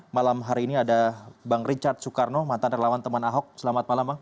malam hari ini ada bang richard soekarno mantan relawan teman ahok selamat malam bang